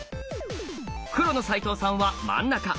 黒の齋藤さんは真ん中。